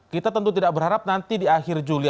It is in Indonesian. kita tentu tidak berharap nanti di akhir juli